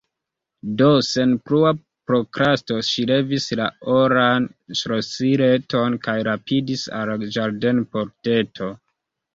Do, sen plua prokrasto ŝi levis la oran ŝlosileton kaj rapidis al la ĝardenpordeto.